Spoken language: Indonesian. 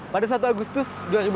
pada satu agustus dua ribu delapan belas